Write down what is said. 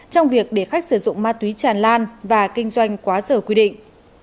trong việc để khách sử dụng ma túy tràn lan và kinh doanh quá giờ quy định